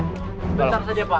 sebentar aja pak